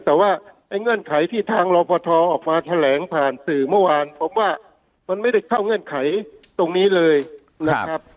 แต่ว่าไอ้เงื่อนไขที่ทางรอปทออกมาแถลงผ่านสื่อเมื่อวานผมว่ามันไม่ได้เข้าเงื่อนไขตรงนี้เลยนะครับ